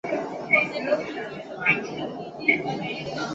这是布尔什维克在十月革命胜利以后第一次召开的代表大会。